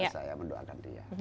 saya mendoakan dia